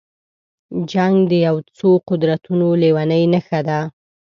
جنګ د یو څو قدرتونو لېونۍ نشه ده.